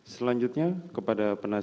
selanjutnya kepada penandaan